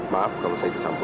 maaf kalau saya ikut campur